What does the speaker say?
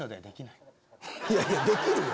いやいやできるよ。